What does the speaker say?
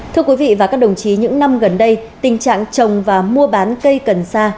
thưa quý vị và các đồng chí những năm gần đây tình trạng trồng và mua bán cây cần sa